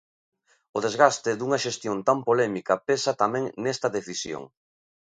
O desgaste dunha xestión tan polémica pesa tamén nesta decisión.